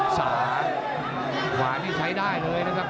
ขวานี่ใช้ได้เลยนะครับ